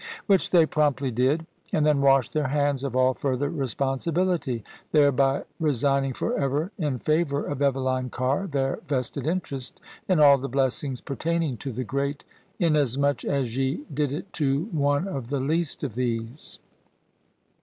Which they promptly did; and then washed their hands of all further responsi bility: thereby resigning for ever in favour of Eveline Carr their vested interest in all the blessings pertaining to the great " Inasmuch as ye did it to one of the least of these."